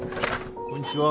こんにちは。